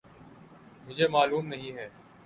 مجھے معلوم نہیں ہے۔